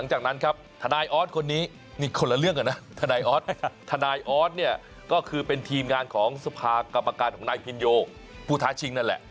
หรือเป็นทีมงานของซุภากรรมการของไหนพีโย้ผู้ท้าชิ้นนั่นแหละ